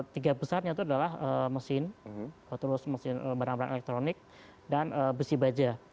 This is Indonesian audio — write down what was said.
tiga besarnya itu adalah mesin terus mesin barang barang elektronik dan besi baja